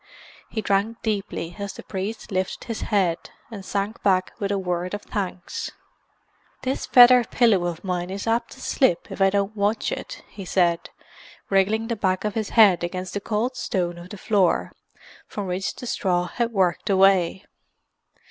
He drank deeply as the priest lifted his head, and sank back with a word of thanks. "This feather pillow of mine is apt to slip if I don't watch it," he said, wriggling the back of his head against the cold stone of the floor, from which the straw had worked away.